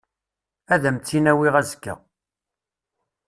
Ad am-tt-in-awiɣ azekka.